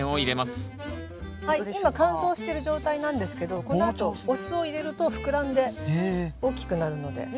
今乾燥してる状態なんですけどこのあとお酢を入れると膨らんで大きくなるので。